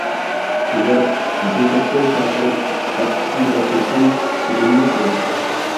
ئەگەر ھەقىقەتكە چاقىرىپ ھەق ئۈستىدە تۇرساڭ چىداملىق بول!